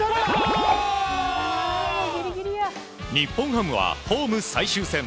日本ハムはホーム最終戦。